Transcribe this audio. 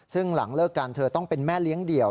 ซึ่งหลังเลิกกันเธอต้องเป็นแม่เลี้ยงเดี่ยว